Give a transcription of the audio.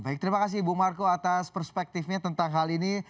baik terima kasih ibu marco atas perspektifnya tentang hal ini